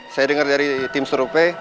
saya denger dari tim surupe